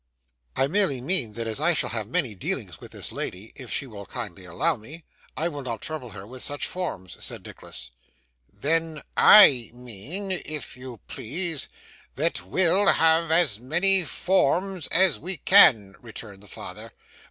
'I merely mean that as I shall have many dealings with this lady, if she will kindly allow me, I will not trouble her with such forms,' said Nicholas. 'Then I mean, if you please, that we'll have as many forms as we can, returned the father.